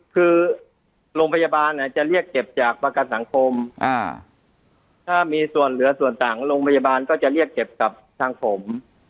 คือโรงพยาบาลจะเรียกเก็บจากประกันสังคมถ้ามีส่วนเหลือส่วนต่างโรงพยาบาลก็จะเรียกเก็บกับทางผม